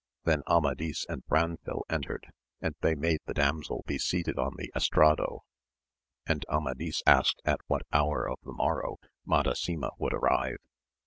Then Amadis and Branfil entered, and they made the damsel be seated on the Estrado, and Amadis asked at what hour of the morrow Madasima would arrive.